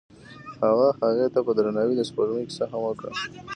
هغه هغې ته په درناوي د سپوږمۍ کیسه هم وکړه.